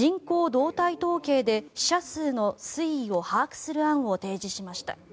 動態統計で死者数の推移を把握する案を提示しました。